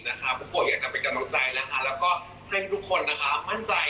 ทุกคนอยากจะไปกำลังใจให้ทุกคนมั่นใจ